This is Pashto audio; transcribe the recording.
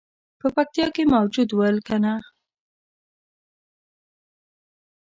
په پکتیا کې موجود ول کنه.